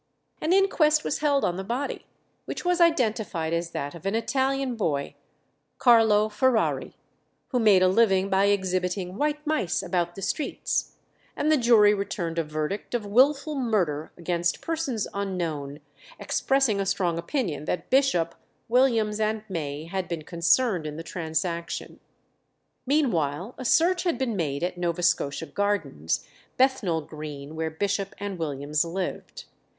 An inquest was held on the body, which was identified as that of an Italian boy, Carlo Ferrari, who made a living by exhibiting white mice about the streets, and the jury returned a verdict of wilful murder against persons unknown, expressing a strong opinion that Bishop, Williams, and May had been concerned in the transaction. Meanwhile, a search had been made at Nova Scotia Gardens, Bethnal Green, where Bishop and Williams lived.